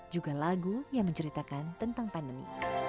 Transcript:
juga lagu yang menceritakan tentang pandemi